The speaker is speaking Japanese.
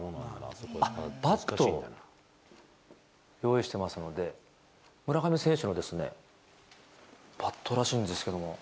バットを用意してますので、村上選手のですね、バットらしいんですけども。